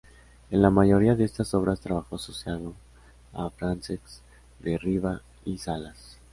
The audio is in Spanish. En la mayoría de estas obras trabajó asociado a Francesc de Riba i Salas.